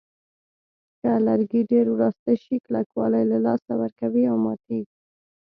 که لرګي ډېر وراسته شي کلکوالی له لاسه ورکوي او ماتېږي.